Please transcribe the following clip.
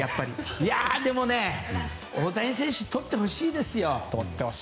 でも、大谷選手とってほしいですよ。